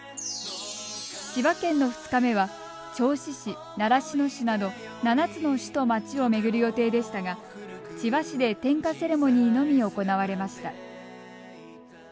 千葉県の２日目は銚子市習志野市など７つの市と町を巡る予定でしたが千葉市で点火セレモニーのみ行われました。